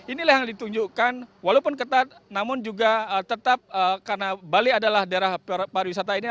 inilah yang ditunjukkan walaupun ketat namun juga tetap karena bali adalah daerah pariwisata ini